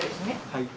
はい。